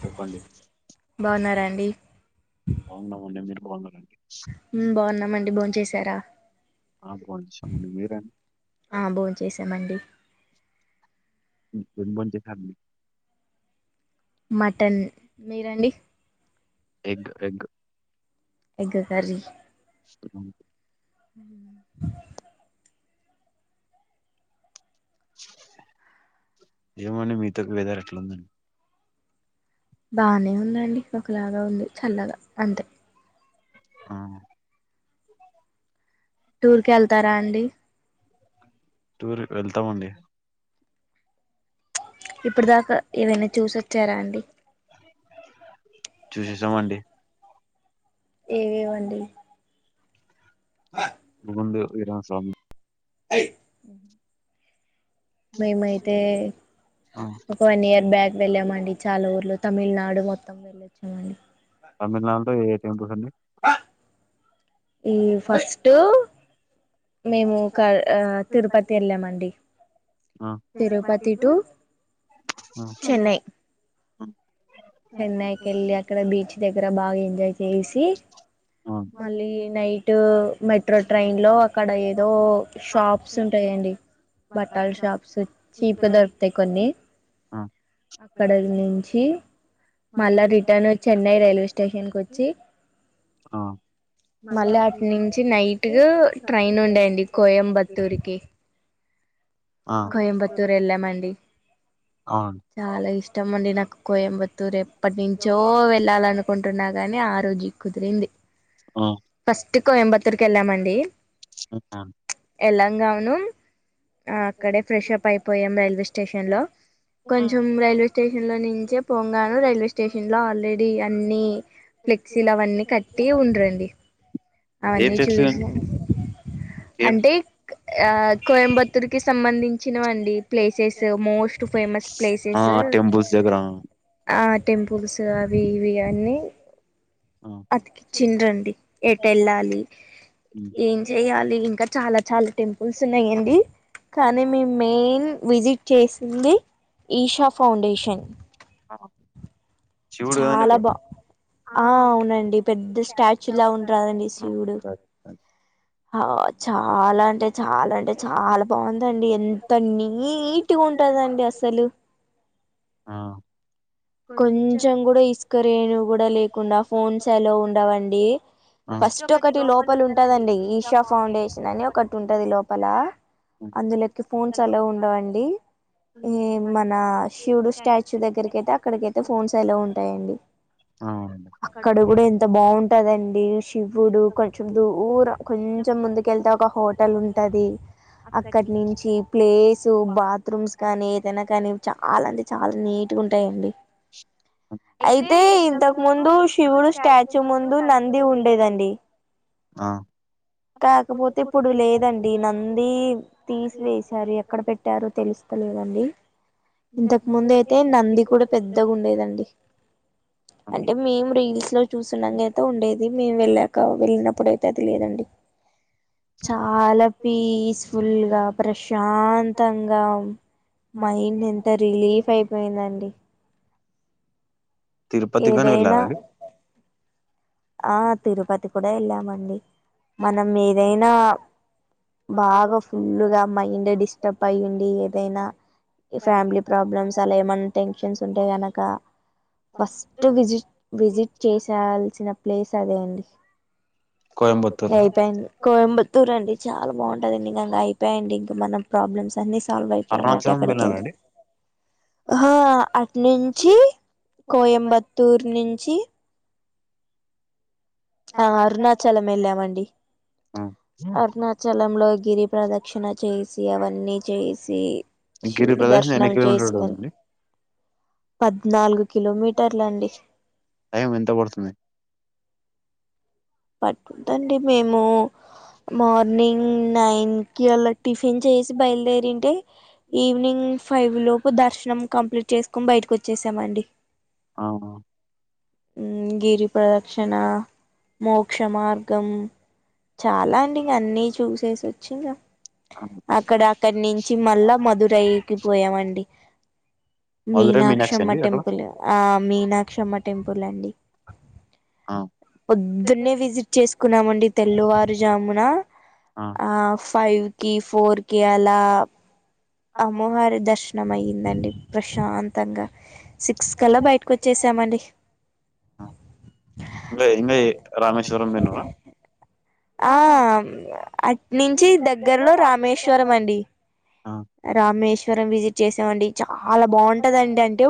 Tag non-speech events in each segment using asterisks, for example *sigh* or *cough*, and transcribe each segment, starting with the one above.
చెప్పండి బాగున్నాము అండి, మీరు బాగున్నారా అండి హమ్ బాగున్నామండి, భోంచేసారా ఆ భోంచేసామండి మీరు అండి ఆ భోన్ చేసామండి ఏం బోన్ చేశారు అండి ఎగ్ ఎగ్ ఎగ్ కర్రీ హ్మ్ అ ఏం అండి మీతోకి వేదారు ఎట్లాందండి బానే ఉందండి ఒకలాగా ఉంది చల్లగా అంతే ఆ టూర్ వెళ్తామండి ఇప్పుడు దాకా ఏవనా చూసోచ్చారా అండి ఏవేవండి ముందు ఇరా స్వామి అయి మేమైతే ఒక వన్ ఇయర్ బ్యాక్ వెళ్ళామండి చాలా ఊర్లో తమిళనాడు మొత్తం వెళ్ళొచ్చామండి. తమిళనాడులో ఏ టెంపుల్ కి అండి. ఈ ఫస్ట్‌. మేము క తిరుపతి వెళ్ళామండి. తిరుపతి టు చెన్నై. చెన్నైకి వెళ్ళి అక్కడ బీచ్ దగ్గర బాగా ఎంజాయ్ చేసి. మళ్ళీ నైట్ మెట్రో ట్రైన్ లో. అక్కడ ఏదో షాప్స్ ఉంటాయండి. బట్టలు షాప్స్ చీప్ గా దొరుకుతాయి కొన్ని. ఆ. అక్కడ నుంచి మళ్ళా రిటర్న్ చెన్నై రైల్వే స్టేషన్ కు వచ్చి. ఆ. మళ్ళీ అటు నుంచి నైట్ ట్రైన్ ఉండేయండి కోయంబత్తూర్ కి. కోయంబత్తూర ఎలామండి. చాలా ఇష్టం అండి నాకు కోయంబత్తూర్ ఎ‌. అప్పటినుంచో వెళ్ళాలనుకుంటున్నా కాని ఆ రోజు కుదిరింది. ఫస్ట్ కోయంబత్తూర్కి వెళ్ళామండి. ఎల్లంగా ఉను ఆ అక్కడే ఫ్రెష్ప్ అయిపో. పోయాం రైల్వే స్టేషన్లో. కొంచెం రైల్వే స్టేషన్ లో నుంచే పొగాను రైల్వే స్టేషన్ లో ఆల్రెడీ అన్ని. ఫ్లెక్సీ అవన్నీ కట్టి ఉండరండి. అవన్నీ చూసాను అంటే. ఆ కోయంబత్తూర్ కి సంబంధించినవండి ప్లేసెస్ మోస్ట్. ప్లేసెస్ ఆ టెంపుల్స్ అవి ఇవి అన్నీ. అతకి చిండరండి ఎట వెళ్ళాలి ఏం చెయాలి ఇంకా. చాలా చాలా టెంపుల్స్ ఉన్నాయండి కానీ మేము మెయిన్ విజిట్ చేసింది‌. ఈషా ఫౌండేషన్. ఆ. చాలా బా. ఆ అవునండి పెద్ద స్టాచ్యూ లాగ ఉంటాడండి శివుడు. ఆ చాలా అంటే చాలా అంటే చాలా బాగుందండి ఎంతన్నిట్. ట్టిగా ఉంటుందండి అసలు. ఆ. కొంచెం కూడా ఇసుకరేను కూడా లేకుండా ఫోన్స్ ఎలో ఉండవండి. ఫస్ట్ ఒకటి లోపల ఉంటదండి ఈషా ఫౌండేషన్ అని ఒకటి ఉంటది లోపల. అందులోకి ఫోన్స్ అల్లో ఉండవండి ఏ మన. శివుడు స్టాచ్యూ దగ్గరకి అయితే అక్కడికైతే ఫోన్స్ అల్లో ఉంటాయండి. అక్కడ కూడా ఎంత్. ఎంత బాగుంటదండి శివుడు కొంచెం దూరం కొంచెం ముందుక వెళ్తే ఒక హోటల్ ఉ. ఉది అక్కడ నుంచి ప్లేస్ బాత్రూమ్స్ కానీ ఏదైనా కానీ. చాలా అంటే చాలా నీట్గా ఉంటాయండి. అయితే ఇంతకు ముందు శివుని స్టాచ్యూ ముందు నంది ఉండేదండి. ఆ. కాకపోతే ఇప్పుడు లేదండి నంది. తీసివేశారు ఎక్కడ పెట్టారు తెలుస్తలేదండి. ఇంతకు ముందు అయితే నంది కూడా పెద్దగా ఉండేదండి అంటే మేము రీల్స్ లో చూసున్నాంగా అయితే ఉండేది మేము వెళ్ళాక వెళ్ళినప్పుడు అయితే అది లేదండి చాలా పీస్ఫుల్గా ప్రశాంతంగా ఉం మైండ్ ఎంత రిలీఫ్ అయిపోయిందండి తిరుపతిగానీ ఎల్లారాండి ఆ తిరుపతి కూడా వెళ్ళామండి మనం ఏదైనా బాగా ఫుల్గా మైండ్ డిస్ స్ట్రబ్ అయి ఉండి ఏదైనా ఈ ఫ్యామిలీ ప్రాబ్లమ్స్ అలా ఏమన్నా టెన్షన్స్ ఉంటే గనక ఫస్ట్ విజిట్ విజిట్ చేసాల్సిన ప్లేస్ ఎ అది అండి నై *unintelligible* *unintelligible* కోయంంబత్తూర్ అండి చాలా బాగుంటందండింక అయిపోయాయిడి ఇంకా మనం ప్రాబ్లమ్స్ అన్నీ సాల్వ్ అయిపపోయినట్టే ఆక్కడికిళ్ళతే ఆ అటు నుంచి కోయంబత్తూర్ నుంచి ఆ అరుణాచలం వెళ్ళామండి అరుణా చలంలో గిరి ప్రదక్షిణ చేసి అవన్నీ చేసి శివుడు దర్శనం చేసుకుని పద్నాలుగు కిలోమీటర్ల అండి టైమ్ ఎంత పడుతుంది పట్టుందండి మేము మార్నింగ్ నైన్ కి అలా టిఫిన్ చేసి బయలుదేరింటే ఈవినింగ్ ఫైవ్ లోపు దర్శనం కంప్లీట్ చేసుకొని బయటకు వచ్చేసామండి అవునా ఉమ్ గిరి ప్రదక్షిణ మోక్ష మార్గం చాలా అండి అన్నీ చూసేసి వచ్చి ఇగ అక్కడ అక్కడి నుంచి మళ్ళా మధుర రాయ్కి పోయామండి మీనాక్షమ్మ టెంపుల్ ఆ మీనాక్షమ్మ టెంపుల్ అండి అవ్ పొద్దున్నే విజిట్ చేసుకున్నామండి తెల్లవారుజామున ఆ ఫైవ్కి ఫోర్కి అలా అమ్మోవారి దర్శనం అయ్యిందండి ప్రశాంతంగా సిక్స్ కలా బయటకు వచ్చేసామండి ఇ ఇం రామేశ్వరం పోయినవా ఆ అట్నుంచి దగ్గరలో రామేశ్వరం మండి రామేష్ శ్వరం విజిట్ చేసామండి చాలా బాగుంటదండి అంటే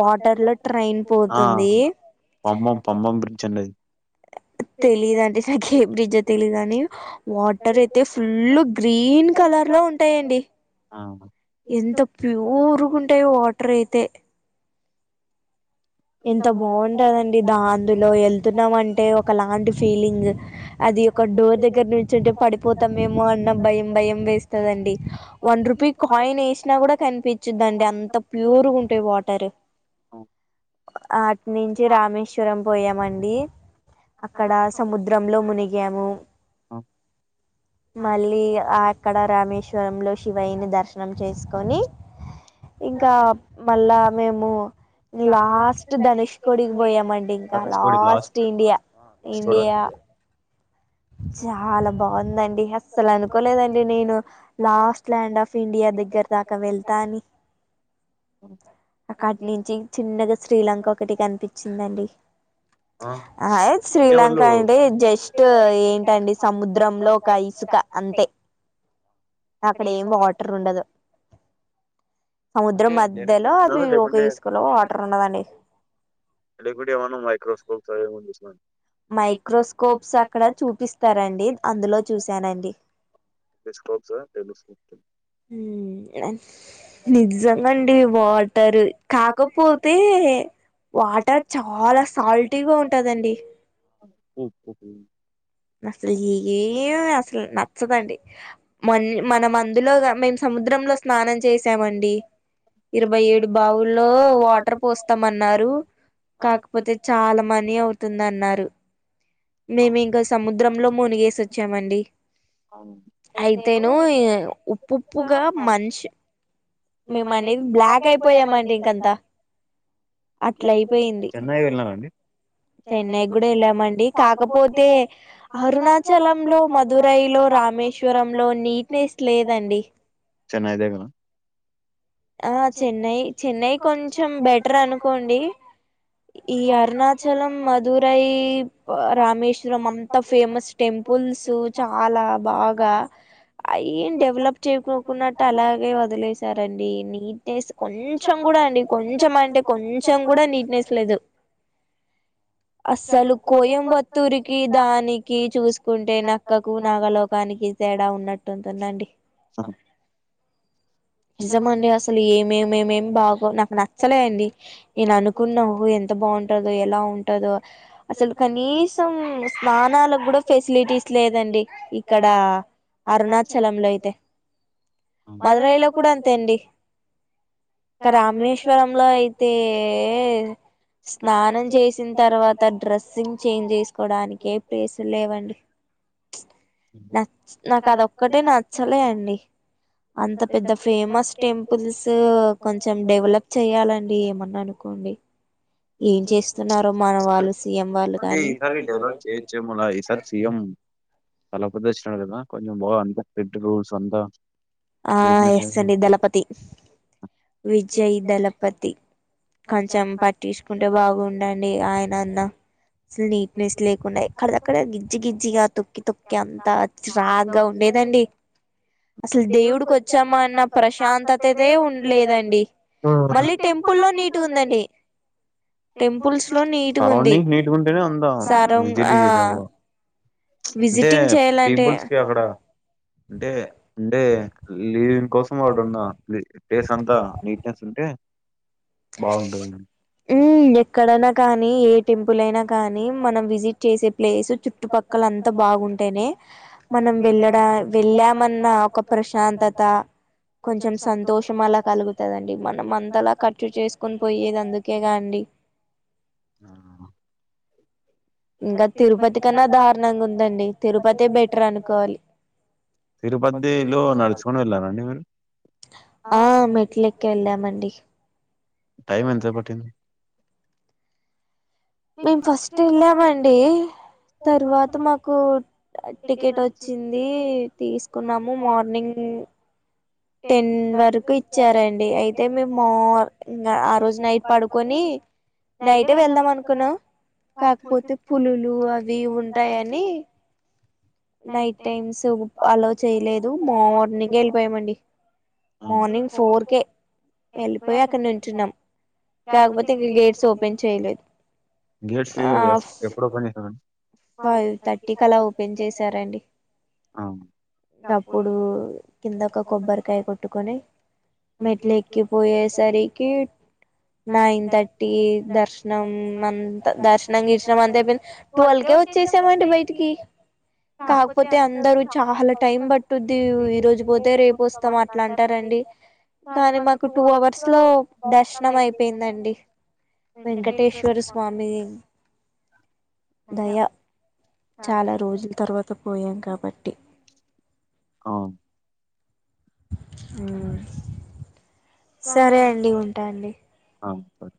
వాటర్ లో ట్రైన్ పోతుంది పంమం పంమం బ్రిడ్జ్ అండి అది అ తెలీదండి నాకు ఏ బ్రిడ్జ్ తెలీదుని వాటర్ అయితే ఫుల్ గ్రీన్ కలర్ లో ఉన్ టాయండి అవునా ప్యూర్ గా ఉంటాయి వాటర్ అయితే ఎంత బాగుంటాదండి దందులో వెళ్తున్నామంటే ఒకలాంటి ఫీలింగ్ అది ఒక డోర్ దగ్గర నుంచి ఉంటే పడిపోతామేమో అన్న భయం భయం వేస్తాదండి వన్ రూపీయి కాయిన్ వేసినా కూడా కనిపించూది అంత ప్యూర్ గా ఉంటాయి వాటర్ అ అట్నుంచి నుంచి రామేశ్వరం పోయామండి అక్కడ సముద్రం సముద్రం లో మునిగాము ఆ మళ్ళీ ఆ అక్కడ రామేశ్వరంలో శివయ్యని దర్శనం చేసుకొని ఇంకా మళ్ళా మేము లాస్ట్ ధనుష్ కొడికి పోయామండి ఇంకా లాస్ట్ ఇండియా ఇండియా చాలా బాగుందండి అస్సలు అనుకోలేదండి నేను లాస్ట్ ల్యాండ్ ఆఫ్ ఇండియా దగ్గర దాకా వెళ్తాని అక్కటి నుంచి చిన్నగా శ్రీలంక ఒకటి కనిపించిందండి అ శ్రీలంక అంటే జస్ట్ ఏంటండి సముద్రంలో ఒక ఇసుక అంతే అక్కడ ఏం వాటర్ ఉండదు సముద్రం మధ్యలో అది ఒక ఇసుకలో వాటర్ ఉన్నదండి ఎలికుడి ఏవా మైక్రోస్కోప్స్ *unintelligible* మైక్రోస్కోప్స్ అక్కడ చూపిస్తారంటే *unintelligible* చూశార అండీ తెలుసుకోవచ్చు గా టెలిస్కోప్ తోని ఊ నన్ నిజంగా అండి వాటర్ కాకపోతే వాటర్ చాలా సాల్టీగా ఉంటాదండి ఒకటి అసలు ఏమి అసలు నచ్చదండి మన్ మన అందులోగా మేము సముద్రంలో స్నానం చేసామండి ఇరవై ఏడు బావుల్లో వాటర్ పోస్తామన్నారు కాకపోతే చాలా మనీ అవుతుంది అన్నారు మేము ఇంకా సముద్రంలో మునిగేసి వచ్చామండి అయితేను ఉప్పు ఉప్పుగా మంచు మేము అనేది బ్లాక్ అయిపోయామండి ఇంకంతా అట్ల అయిపోయింది చెన్నై కూడా వెళ్ళామండి కాకపోతే అరుణాచలంలో, మధురై లో, రామేశ్వరం లో నీట్నెస్ లేదండి చెన్నై దేఖాల ఆ చెన్నై చెన్నై కొంచెం బెటర్ అనుకోండి ఈ అరుణాచలం మధురై రామేశ్వరం అంతా ఫేమస్ టెంపుల్స్ చాలా బాగా అవి ఏం డెవలప్ చేయకోకున్నట్టు అలాగే వదిలేసారండి నీట్నెస్ కొంచెం కూడా అండి కొంచెం అంటే కొంచెం కూడా నీట్నెస్ లేదు *inaudible* అస్సలు కోయంబత్తూరికి దానికి చూసుకుంటే నక్కకు నాగ లోకానికి తేడా ఉన్నట్టుంటుందండి సబ నిజమండి అసలు ఏమేమేమే బాగో నాకు నచ్చలే అండి నేను అనుకున్నా ఓహో ఎంత బాగుంటదొ ఎలా ఉంటాదో అసలు కనీసం స్నానాలకు కూడా ఫెసిలిటీస్ లేదండి ఇక్కడ అరుణాచలంలో అయితే మధురైలో కూడా అంతే అండి, ఇకా రామేశ్వరంలో అయితే స్నానం చేసిన తర్వాత, డ్రెస్సింగ్ చేంజ్ జేసుకోవడానికే ప్లేసుల్ లేవండి. నచ్ నాకు అదొక్కటే నచ్చలే అండి, అంత పెద్ద ఫేమస్ టెం పుల్స్ కొంచెం డెవలప్ చెయాలండి, ఏమన్నా అనుకోండి. అంటే ఈసారి డెవలప్ చేయొచ్చు ఏమో లే, ఈసారి చేయమ్ తల ప్రదే *unintelligible* కదా కొంచెం బా అంత *unintelligible* సొంత ఆ ఎస్ అండి దళపతి విజయ్ దళప్ పతి, కొంచెం పట్టిచుకుంటే బాగుండండి ఆయనన్న. అసలు నీట్నెస్ లేకుండా ఎక్కడిదక్కడ గిజి గిజ్జిగా, తొక్కి తొక్కి అంతా చిరాగ్గా ఉండేదండి. దేవుడుకోచ్చాక అన్న ప్రశాంతతనే ఉ లేదండి. మళ్ళీ టెంపుల్ లో నీట్ గా ఉందండి. సరౌండింగ్ నీట్ గా ఉంటేనే అందం విజిట్ ఏరియాలో. అంటే పీపుల్స్ కి అక్కడ అంటే, అంటే లీవింగ్ కోసం ఆడున్నా ప్లే ప్లేస్ అంతా నీట్నెస్ ఉంటే ఉమ్ *unintelligible* క్కడన్న కానీ, ఏ టెంపుల్ అయినా కానీ, మనం విజిట్ చేసే ప్లేస్ చుట్ ట్టుపక్కల అంతా బాగుంటేనే మనం వెళ్ళడా, వెళ్ళామన్నా ఒక ప్రశాంతత, కొంచెం సంతోషం అలా కలుగుతదండి మనం అంతలా కట్ చూ చేసుకొనిపోయ్యేది అందుకే గా అండి. ఆ ఇంగ తిరుపతి కన్నా దారుణంగా ఉందండీ *unintelligible* తిరుపతిదిలో నడ్చుకొని వెళ్ళారండి మీరు. ఆ మెట్లేక్కేళ్ళామండి. టైమ్ ఎంత సేప్ పట్టింది. మేము ఫస్ట్ ఏళ్ళామండి. తర్వాత మాకు టికెట్ ఒచ్చింది తీసుకున్నాము మార్నింగ్. ఉమ్ టెన్ వరకు ఇచ్చారండి, అయితే మేము మార్ ఇంగా ఆ రోజు నైట్ పడుకొని నైటే వెళ్దాం అనుకున్నాం. కాకపోతే పులులు అవి ఉంటాయని, నైట్ టైమ్స్ అలో చేయలేదు, మార్నింగ్ వెళ్ళిపోయామండి. మార్నింగ్ ఫోర్కే ఎల్లిపోయి అక్కడ నిల్చున్నాం. గేట్స్ ఎప్ ఎప్పడు ఓపెన్ చేశారండి. ఫైవ్ థర్టీకి అలా ఓపెన్ చేశారండి. ఇంకా అప్పుడు కింద ఒక కొబ్బరికాయ కొట్టుకొని, మెట్లేక్కిపోయేసరికి నైన్ థర్టీ దర్శనం అంతా దర్శనం, గిర్షనం అంత అయిపోయింది. టువేల్కే వచ్చేసామండి బయటికి. కాకపోతే అందరు చాలా టైం పట్టుది ఈ రోజు పోతే, రేపు ఒస్తాం అట్లా అంటారండి. కానీ మాకు టూ అవర్స్ లో దర్శనం అయిపోయిందండి. వెంకటేశ్వర స్వామిది దయా చాలా రోజుల తర్వాత పోయాం కాబట్టి కావున్ ఉహ్ సరే అండి ఉంటా అండి. అవున్ తారీ